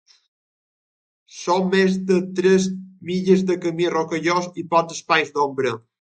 Són més de tres milles de camí rocallós i pocs espais d'ombra.